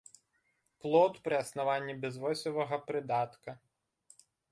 Плод пры аснаванні без восевага прыдатка.